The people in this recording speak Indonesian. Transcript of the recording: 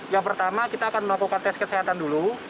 yang pertama kita akan melakukan tes kesehatan dulu